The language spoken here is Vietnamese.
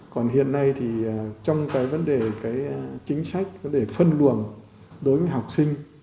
còn hiện nay thì trong cái vấn đề chính sách có thể phân luồng đối với học sinh